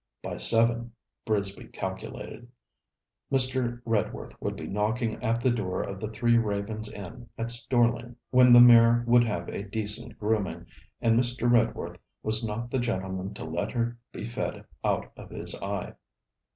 By seven, Brisby calculated, Mr. Redworth would be knocking at the door of the Three Ravens Inn, at Storling, when the mare would have a decent grooming, and Mr. Redworth was not the gentleman to let her be fed out of his eye.